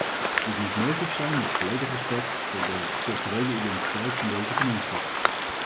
Dit moet mogelijk zijn met volledig respect voor de culturele identiteit van deze gemeenschap.